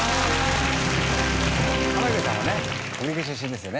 浜辺さんはね北陸出身ですよね。